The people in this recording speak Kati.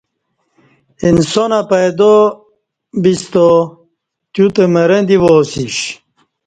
انسانہ پیدا بستا تیو تہ مرں دی واسیش